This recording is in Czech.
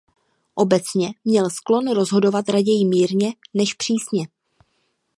Obecně měl sklon rozhodovat raději mírně než přísně.